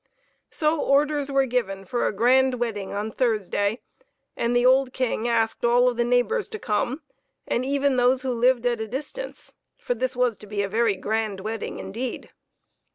So orders were given for a grand wedding on Thursday, and the old King asked all of the neighbors to come, and even those who lived at a distance, for this was to be a very grand wedding indeed.